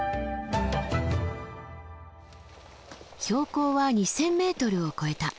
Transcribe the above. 標高は２，０００ｍを越えた。